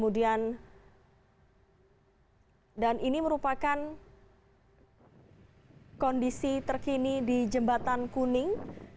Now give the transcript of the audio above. dan ini merupakan kondisi terkini di jembatan kuning